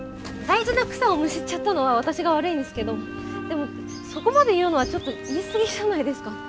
大事な草をむしっちゃったのは私が悪いんですけどでもそこまで言うのはちょっと言い過ぎじゃないですか。